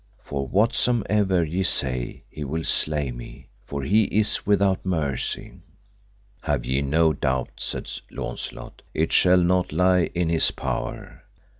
For whatsomever ye say he will slay me, for he is without mercy. Have ye no doubt, said Launcelot, it shall not lie in his power.